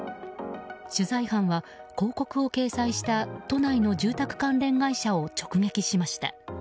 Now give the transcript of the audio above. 取材班は広告を掲載した都内の住宅関連会社を直撃しました。